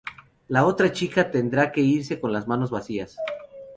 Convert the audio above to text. La otra chica tendrá que irse con las manos vacías.